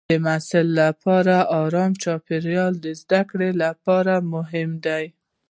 د محصل لپاره ارام چاپېریال د زده کړې لپاره مهم دی.